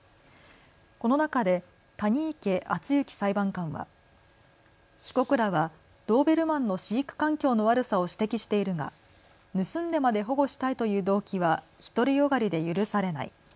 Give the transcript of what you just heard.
この中で谷池厚行裁判官は被告らはドーベルマンの飼育環境の悪さを指摘しているが盗んでまで保護したいという動機は独り善がりで許されない。